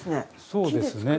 そうですね。